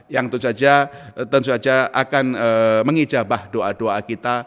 yang tentu saja akan mengijabah doa doa kita